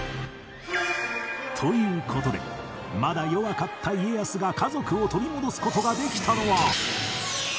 という事でまだ弱かった家康が家族を取り戻す事ができたのは